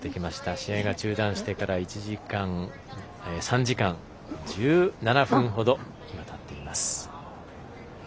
試合が中断してから３時間１７分ほどたっています。